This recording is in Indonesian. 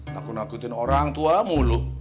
nakut nakutin orang tua mulu